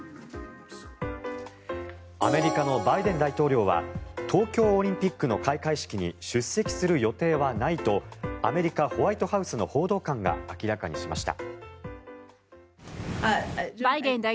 アメリカのバイデン大統領は東京オリンピックの開会式に出席する予定はないとアメリカ、ホワイトハウスの報道官が明らかにしました。